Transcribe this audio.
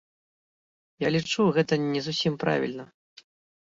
Я лічу, гэта не зусім правільна.